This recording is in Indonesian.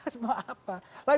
saya harus mau apa